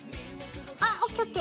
あＯＫＯＫ。